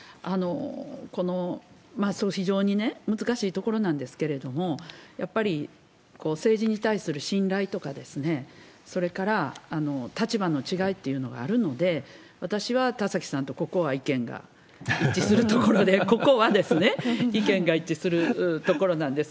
この非常に難しいところなんですけれども、やっぱり政治に対する信頼とか、それから立場の違いっていうのがあるので、私は田崎さんとここは意見が一致するところで、ここはですね、意見が一致するところなんです。